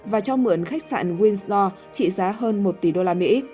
và cho mượn khách sạn windsor trị giá hơn một tỷ usd